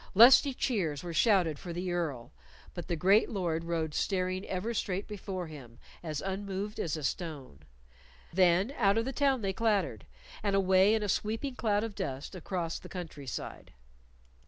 Lusty cheers were shouted for the Earl, but the great Lord rode staring ever straight before him, as unmoved as a stone. Then out of the town they clattered, and away in a sweeping cloud of dust across the country side.